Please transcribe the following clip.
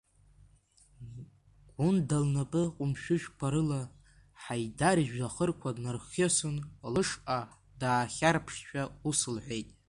Гәында лнапы ҟәымшәышәқәа рыла, Ҳаидар ижәҩахырқәа днархьысын, лышҟа даахьарԥшшәа, ус лҳәеит.